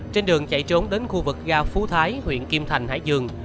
trên đường chạy trốn đến khu vực ga phú thái huyện kim thành hải dương